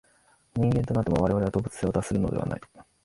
人間となっても、我々は動物性を脱するのではない。